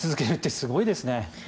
すごいですね。